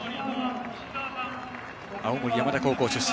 青森山田高校出身。